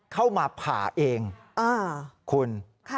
เข้ามาผ่าเองคุณ